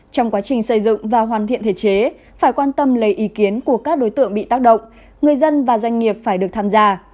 trong quá trình xây dựng và hoàn thiện thể chế phải quan tâm lấy ý kiến của các đối tượng bị tác động người dân và doanh nghiệp phải được tham gia